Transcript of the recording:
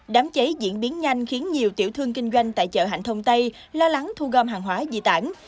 đám cháy diễn biến nhanh khiến nhiều tiểu thương kinh doanh tại chợ hạnh thông tây lo lắng thu gom hàng hóa di tản